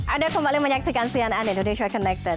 anda kembali menyaksikan cnn indonesia connected